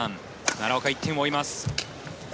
奈良岡、１点を追います。